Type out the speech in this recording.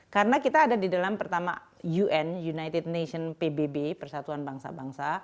karena kita ada di dalam pertama un united nations pbb persatuan bangsa bangsa